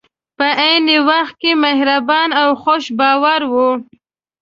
په عین وخت کې مهربان او خوش باوره وو.